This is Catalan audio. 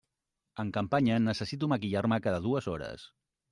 En campanya necessito maquillar-me cada dues hores.